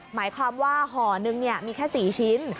หมายความว่าห่อนึงมีแค่๔ชิ้น